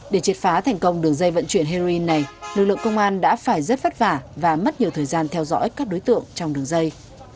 để triệt phá thành công đường dây vận chuyển heroin này lực lượng công an đã phải rất vất vả và mất nhiều thời gian theo dõi các đối tượng trong đường dây